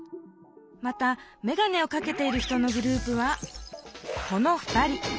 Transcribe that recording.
またメガネをかけている人のグループはこの２人。